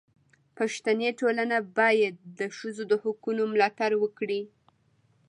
پښتني ټولنه باید د ښځو د حقونو ملاتړ وکړي.